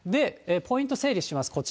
ポイント整理します。